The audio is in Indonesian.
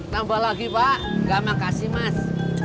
tambah lagi pak enggak makasih mas